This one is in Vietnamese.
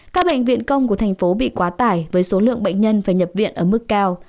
các bệnh viện công của thành phố bị quá tải với số lượng bệnh nhân phải nhập viện ở mức cao